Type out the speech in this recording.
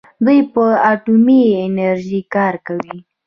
دوی په اټومي انرژۍ کار کوي.